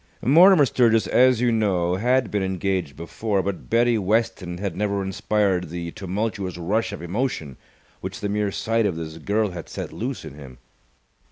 Mortimer Sturgis, as you know, had been engaged before, but Betty Weston had never inspired the tumultuous rush of emotion which the mere sight of this girl had set loose in him.